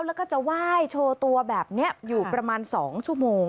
แล้วก็จะไหว้โชว์ตัวแบบนี้อยู่ประมาณ๒ชั่วโมง